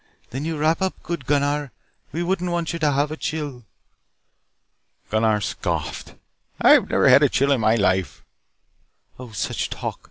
"Then you wrap up good, Gunnar. We wouldn't want you to have a chill." Gunnar scoffed, "I never had a chill in my life." "Oh, such talk.